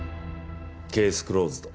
ケースクローズド。